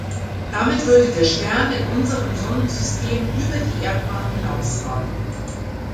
Damit würde der Stern in unserem Sonnensystem über die Erdbahn hinausragen.